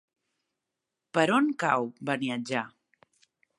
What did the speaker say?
Per on cau Beniatjar?